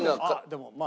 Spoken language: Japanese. でもまあ。